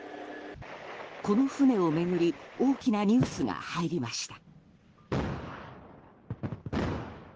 この船を巡り大きなニュースが入りました。